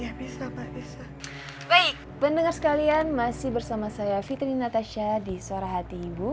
ya ya bisa bisa baik pendengar sekalian masih bersama saya fitri natasha di suara hati ibu